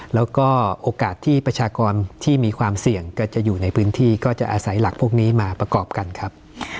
แล้วก็โอกาสที่ประชากรที่มีความเสี่ยงก็จะอยู่ในพื้นที่ก็จะอาศัยหลักพวกนี้มาประกอบกันครับ